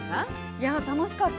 いや楽しかった。